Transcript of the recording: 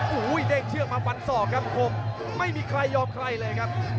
โอ้โหเด้งเชือกมาฟันศอกครับคมไม่มีใครยอมใครเลยครับ